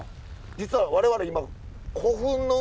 実は我々今え！